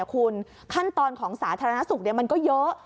คุณขั้นตอนของสาธารณสุขมันก็เยอะ